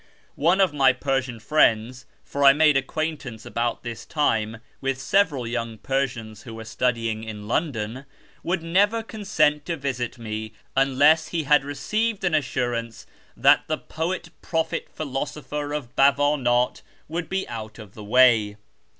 One of my Persian friends (for I made acquaintance about this time with several young Persians who were studying in London) would never consent to visit me until he had received an assurance that the poet prophet philosopher of Bawan; it would be out of the way.